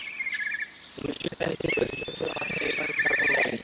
অনিশ্চয়তা–নীতি বলে, দুই শক্তিস্তরের মাঝখানে ইলেকট্রনের থাকার কোনো জায়গা নেই।